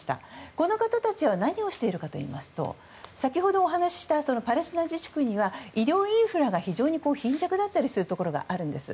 この方たちは何をしているかといいますと先ほどお話ししたパレスチナ自治区には医療インフラが非常に貧弱だったりするところがあるんです。